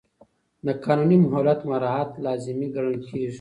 د قانوني مهلت مراعات لازمي ګڼل کېږي.